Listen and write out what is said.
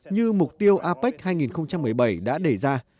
như mục tiêu apec hai nghìn một mươi bảy đã đề ra